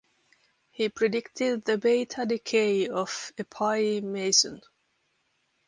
He predicted the beta decay of a pi meson.